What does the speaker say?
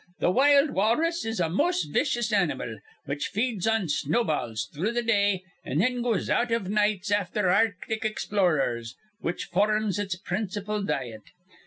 Th' wild walrus is a mos' vicious animal, which feeds on snowballs through th' day, an' thin goes out iv nights afther artic explorers, which for rms its principal diet.